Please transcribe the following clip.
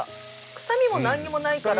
臭みもなんにもないから。